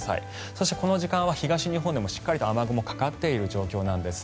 そして、この時間は東日本にもきちっと雨雲かかっている状況なんです。